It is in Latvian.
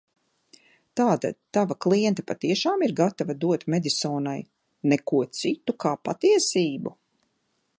"Tātad tava kliente patiešām ir gatava dot Medisonai "Neko citu, kā patiesību"?"